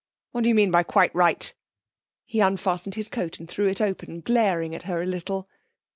'What do you mean by 'quite right'?' He unfastened his coat and threw it open, glaring at her a little.